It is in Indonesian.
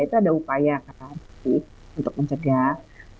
itu ada upaya kata cctv untuk mencegah